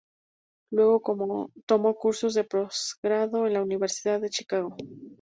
Luego tomó cursos de postgrado en la Universidad de Chicago.